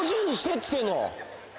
っつってんの！